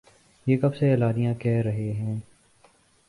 ہم کب سے اعلانیہ کہہ رہے ہیں